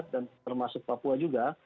dan termasuk papua juga